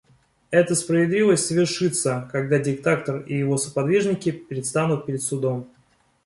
Эта справедливость совершится, когда диктатор и его сподвижники предстанут перед судом.